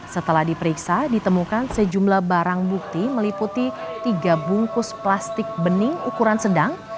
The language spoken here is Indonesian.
setelah diperiksa ditemukan sejumlah barang bukti meliputi tiga bungkus plastik bening ukuran sedang